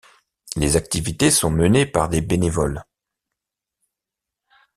Les activités sont menées par des bénévoles.